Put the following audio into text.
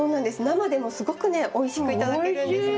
生でもすごくねおいしく頂けるんです生。